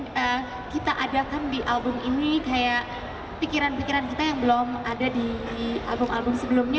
jadi kita adakan di album ini kayak pikiran pikiran kita yang belum ada di album album sebelumnya